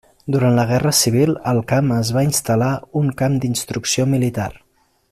Durant la guerra civil al camp es va instal·lar un camp d'instrucció militar.